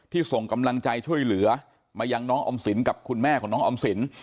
ส่งกำลังใจช่วยเหลือมายังน้องออมสินกับคุณแม่ของน้องออมสิน